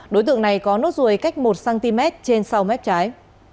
đối tượng này có nốt ruồi cách một cm trên sau mép trái